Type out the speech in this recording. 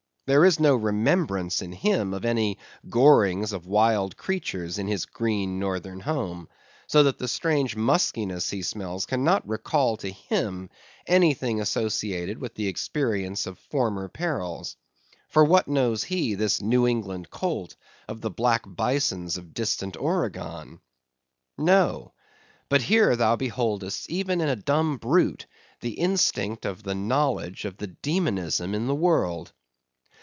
There is no remembrance in him of any gorings of wild creatures in his green northern home, so that the strange muskiness he smells cannot recall to him anything associated with the experience of former perils; for what knows he, this New England colt, of the black bisons of distant Oregon? No: but here thou beholdest even in a dumb brute, the instinct of the knowledge of the demonism in the world.